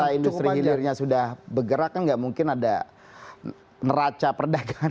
kalau industri hilirnya sudah bergerak kan nggak mungkin ada neraca perdagangan